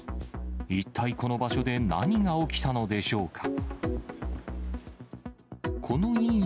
一体この場所で何が起きたのでしょうか。